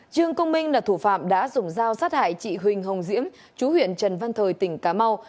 trương công minh là thủ phạm đã dùng dao sát hại chị huỳnh hồng diễm chú huyện trần văn thời tỉnh cà mau